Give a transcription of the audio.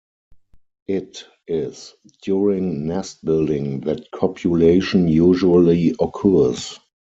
It is during nest building that copulation usually occurs.